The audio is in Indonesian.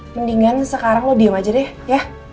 mendingan sekarang lo diem aja deh ya